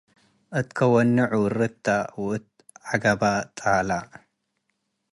እት ከወኒ ዑርት ተ ወእት ዐገበ ጣለ